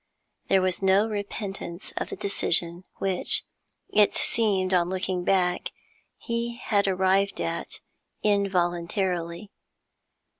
There was no repentance of the decision which, it seemed on looking back, he had arrived at involuntarily.